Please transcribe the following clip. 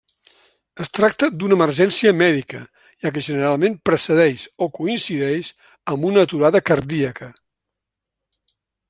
Es tracta d'una emergència mèdica, ja que generalment precedeix o coincideix amb una aturada cardíaca.